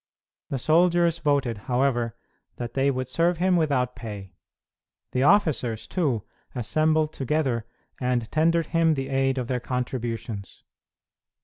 The soldiers voted, however, that they would serve him without pay. The officers, too, assembled together and tendered him the aid of their contributions.